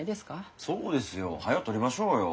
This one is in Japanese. そうですよはよ撮りましょうよ。